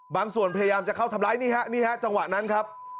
ส่วนพยายามจะเข้าทำร้ายนี่ฮะนี่ฮะจังหวะนั้นครับ